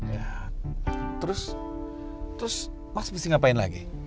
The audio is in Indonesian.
ya terus terus mas bisa ngapain lagi